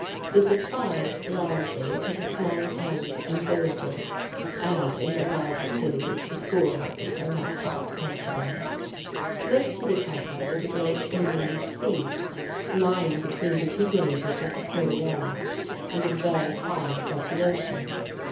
This applies largely to the smaller towns and villages, as in the larger cities the school houses are now quite comfortable. [Illustration: STREET ALTAR, CORPUS CHRISTI DAY, LA PAZ] Lake Titicaca is a great inland sea, lying between the two ranges of the Cordillera, and is very high above the ocean.